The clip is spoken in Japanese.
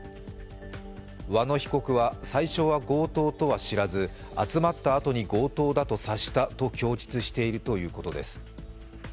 和野被告は最初は強盗とは知らず集まったあとに強盗だと察したと供述しているということです。